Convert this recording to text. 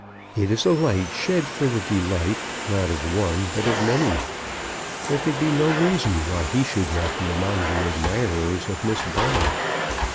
It is a light shed for the delight, not of one, but of many. There could be no reason why he should not be among the admirers of Miss Bonner.